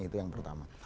itu yang pertama